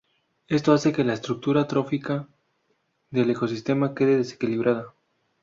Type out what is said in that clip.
Esto hace que la estructura trófica del ecosistema quede desequilibrada.